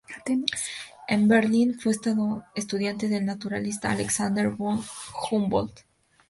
En Berlín, fue estudiante del naturalista Alexander von Humboldt.